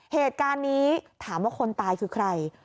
เหตุการณ์นี้ถามว่าคนตายคือใคร